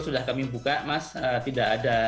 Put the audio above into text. sudah kami buka mas tidak ada